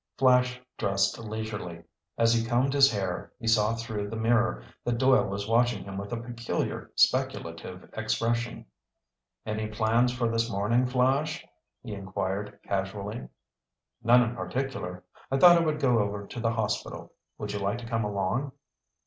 Flash dressed leisurely. As he combed his hair, he saw through the mirror that Doyle was watching him with a peculiar, speculative expression. "Any plans for this morning, Flash?" he inquired casually. "None in particular. I thought I would go over to the hospital. Would you like to come along?"